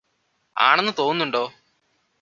ആണെന്ന് തോന്നുന്നുണ്ടോ